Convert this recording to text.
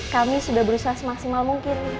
kami sudah berusaha semaksimal mungkin